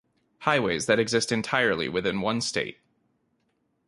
Highways that exist entirely within one state.